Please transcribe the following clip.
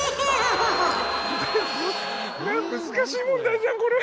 難しい問題じゃんこれ！